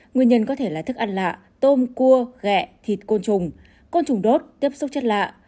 nguyên nhân có thể là thức ăn lạ tôm cua gẹ thịt côn trùng côn trùng đốt tiếp xúc chất lạ